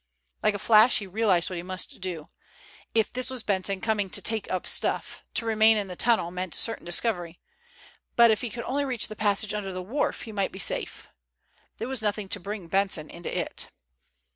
Like a flash he realized what he must do. If this was Benson coming to "take up stuff," to remain in the tunnel meant certain discovery. But if only he could reach the passage under the wharf he might be safe. There was nothing to bring Benson into it.